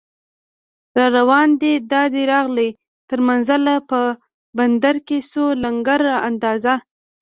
راروان دی دا دی راغی تر منزله، په بندر کې شو لنګر اندازه